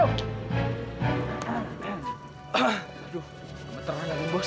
aduh beternan bos